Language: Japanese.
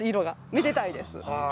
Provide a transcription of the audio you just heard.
めでたいです。